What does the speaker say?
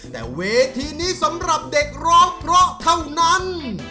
แต่เวทีนี้สำหรับเด็กร้องเพราะเท่านั้น